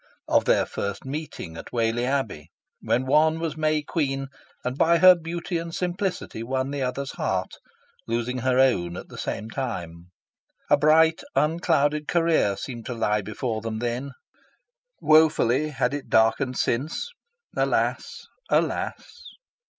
Of their first meeting at Whalley Abbey, when one was May Queen, and by her beauty and simplicity won the other's heart, losing her own at the same time. A bright unclouded career seemed to lie before them then. Wofully had it darkened since. Alas! Alas!